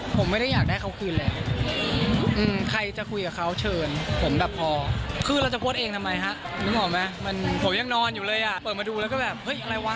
ผมไม่ได้อยากได้เขาคืนแล้วใครจะคุยกับเขาเชิญผมแบบพอคือเราจะโพสต์เองทำไมฮะนึกออกไหมมันผมยังนอนอยู่เลยอ่ะเปิดมาดูแล้วก็แบบเฮ้ยอะไรวะ